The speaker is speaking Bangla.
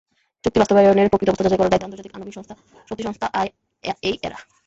চুক্তি বাস্তবায়নের প্রকৃত অবস্থা যাচাই করার দায়িত্ব আন্তর্জাতিক আণবিক শক্তি সংস্থা আইএইএর।